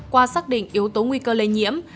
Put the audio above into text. qua xác định yếu tố nguy cơ lây nhiễm